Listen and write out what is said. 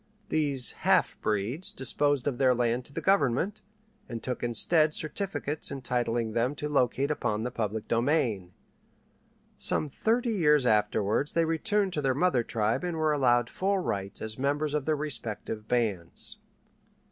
These half breeds disposed of their land to the Government, and took instead certificates entitling them to locate upon the public domain. Some thirty years afterward they returned to their mother tribe and were allowed full rights as members of their respective bands.